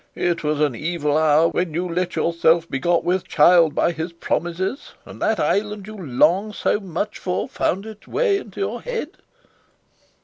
It was an evil hour when you let yourself be got with child by his promises, and that island you long so much for found its way into your head."